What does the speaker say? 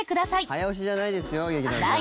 早押しじゃないですよ劇団さん。